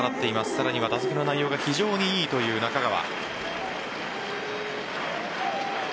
さらには打席の内容が非常に良いという中川。